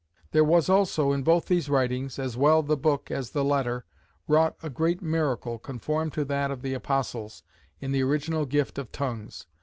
"There was also in both these writings, as well the Book, as the Letter, wrought a great miracle, conform to that of the Apostles, in the original Gift of Tongues.